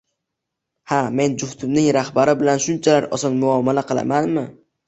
Hali men juftimning rahbari bilan shunchalar oson muomala qilamanmi